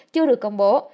chưa được công bố